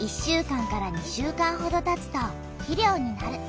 １週間２週間ほどたつと肥料になる。